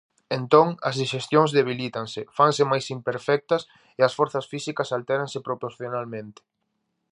Entón, as dixestións debilítanse, fanse máis imperfectas, e as forzas físicas altéranse proporcionalmente.